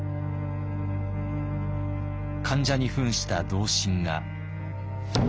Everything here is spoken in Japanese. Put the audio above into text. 患者にふんした同心が。